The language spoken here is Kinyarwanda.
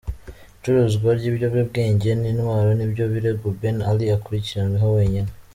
Icuruzwa ry’ibiyobyabwenge n’intwaro ni byo birego Ben Ali akurikiranweho wenyine.